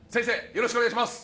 よろしくお願いします